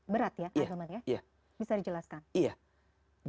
berat ya bisa dijelaskan